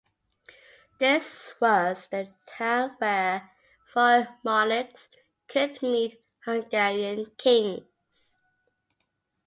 This was the town where foreign monarchs could meet Hungarian kings.